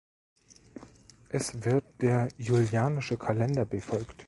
Es wird der julianische Kalender befolgt.